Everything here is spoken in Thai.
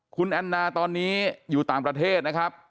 คุณแอนนาตอนนี้อยู่ต่างประเทศนะครับ